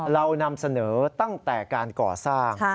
เรานำเสนอตั้งแต่การก่อสร้าง